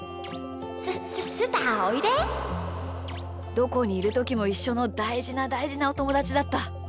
どこにいるときもいっしょのだいじなだいじなおともだちだった。